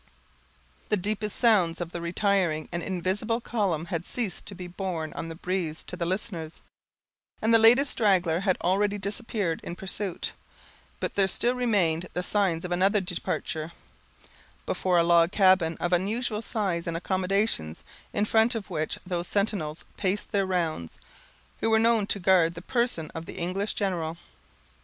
The deepest sounds of the retiring and invisible column had ceased to be borne on the breeze to the listeners, and the latest straggler had already disappeared in pursuit; but there still remained the signs of another departure, before a log cabin of unusual size and accommodations, in front of which those sentinels paced their rounds, who were known to guard the person of the English general.